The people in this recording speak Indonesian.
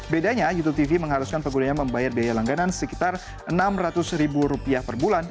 bedanya youtube tv mengharuskan penggunanya membayar biaya langganan sekitar rp enam ratus ribu rupiah per bulan